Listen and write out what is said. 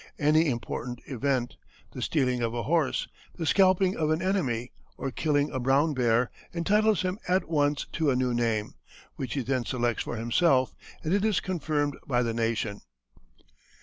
Any important event, the stealing of a horse, the scalping of an enemy, or killing a brown bear, entitles him at once to a new name, which he then selects for himself, and it is confirmed by the nation."